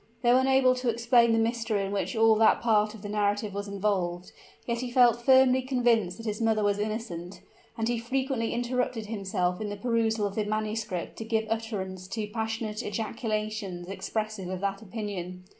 Though unable to explain the mystery in which all that part of the narrative was involved, yet he felt firmly convinced that his mother was innocent; and he frequently interrupted himself in the perusal of the manuscript to give utterance to passionate ejaculations expressive of that opinion.